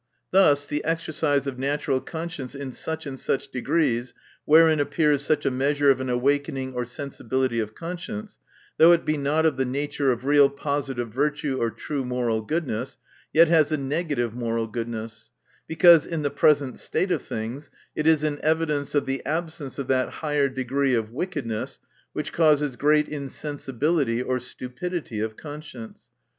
Thus, the exercise of natural conscience in such and such degrees, wherein appears such a measure of an awakening or sensibility of conscience, though it be not of the nature of real positive virtue or true moral goodness, yet has a negative moral goodness ; because in the present state of things, it is an evidence of the absence of that higher decree of wickedness, which causes great insensibility or stupidity of conscience.